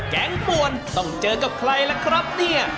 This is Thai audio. งป่วนต้องเจอกับใครล่ะครับเนี่ย